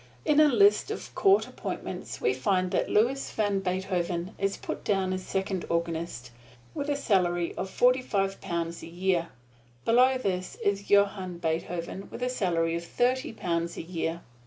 In a list of court appointments we find that Louis van Beethoven is put down as "second organist" with a salary of forty five pounds a year. Below this is Johann Beethoven with a salary of thirty pounds a year.